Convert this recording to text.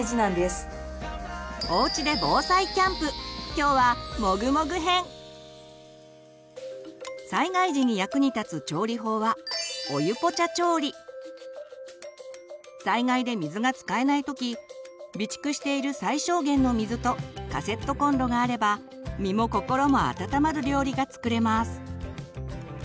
教えてくれるのは災害時に役に立つ調理法は災害で水が使えない時備蓄している最小限の水とカセットコンロがあれば身も心も温まる料理が作れます。